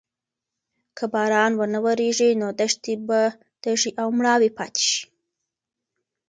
که باران ونه وریږي نو دښتې به تږې او مړاوې پاتې شي.